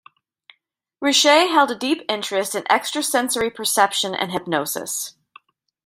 Richet held a deep interest in extrasensory perception and hypnosis.